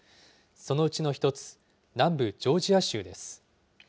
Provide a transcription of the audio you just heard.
そのうちの１つ、南部ジョージア州です。